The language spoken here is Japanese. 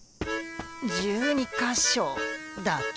１２ヶ所だけ？